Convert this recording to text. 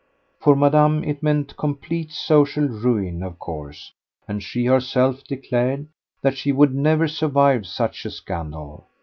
For Madame it meant complete social ruin, of course, and she herself declared that she would never survive such a scandal.